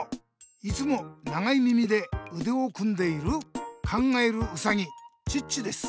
いつも長い耳でうでを組んでいる考えるウサギチッチです。